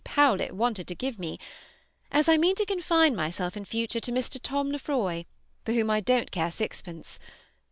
Powlett wanted to give me, as I mean to confine myself in future to Mr. Tom Lefroy, for whom I don't care sixpence.